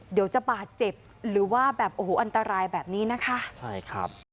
เดี๋ยวจะบาดเจ็บหรือว่าแบบโอ้โหอันตรายแบบนี้นะคะใช่ครับ